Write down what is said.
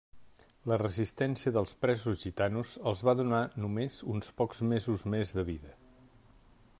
La resistència dels presos gitanos els va donar només uns pocs mesos més de vida.